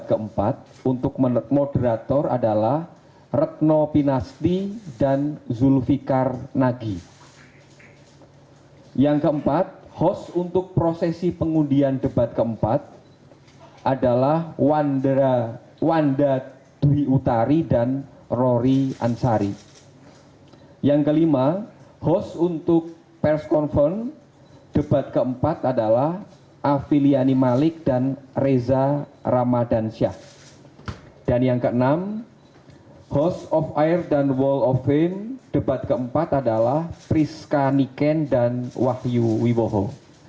keputusan ini disepakati setelah sebelumnya muncul keberatan dari tim bpn pada salah satu televisi penyelenggara